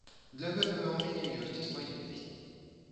Для гэтага ў мяне ёсць свае песні.